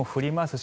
し